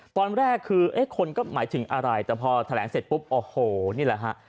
ตอนแรกคือเอ๊ะคนก็หมายถึงอะไรแต่พอแถลงเสร็จปุ๊บโอ้โหนี่แหละฮะ